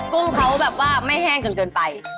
กุ้งเขาแบบว่าไม่แห้งจนเกินไป